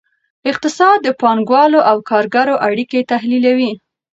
اقتصاد د پانګوالو او کارګرو اړیکې تحلیلوي.